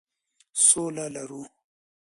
سوله لرو.